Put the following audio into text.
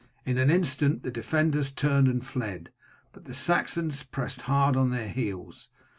In an instant the defenders turned and fled, but the Saxons pressed hard on their heels.